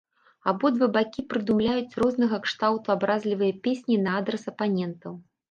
Абодва бакі прыдумляюць рознага кшталту абразлівыя песні на адрас апанентаў.